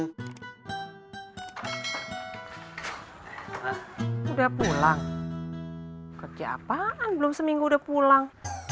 eh lo udah pulang kerja apaan belum seminggu udah pulang